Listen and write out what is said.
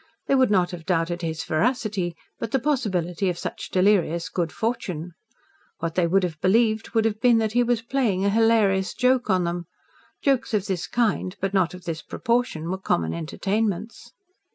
They would not have doubted his veracity, but the possibility of such delirious good fortune. What they would have believed would have been that he was playing a hilarious joke on them. Jokes of this kind, but not of this proportion, were common entertainments.